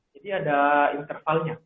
jadi ada intervalnya